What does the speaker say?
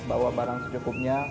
bawa barang secukupnya